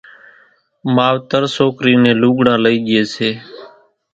ماوتر سوڪرِي نين لوڳڙان لئِي ڄي سي